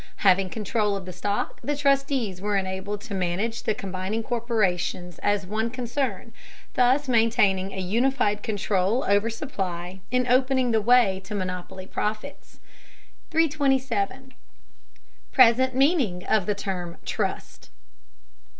Having control of the stock, the trustees were enabled to manage the combining corporations as one concern, thus maintaining a unified control over supply, and opening the way to monopoly profits. 327. PRESENT MEANING OF THE TERM "TRUST."